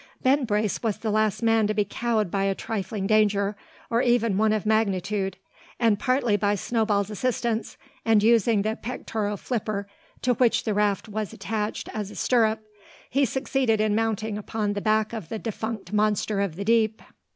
Ben Brace was the last man to be cowed by a trifling danger, or even one of magnitude; and partly by Snowball's assistance, and using the pectoral flipper to which the raft was attached as a stirrup, he succeeded in mounting upon the back of the defunct monster of the deep.